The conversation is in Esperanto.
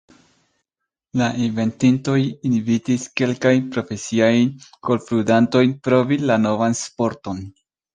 La inventintoj invitis kelkajn profesiajn golfludantojn provi la novan sporton.